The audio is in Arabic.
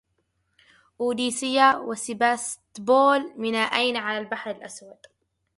اوديسا و سيباستوبول مينائين على البحر الأسود.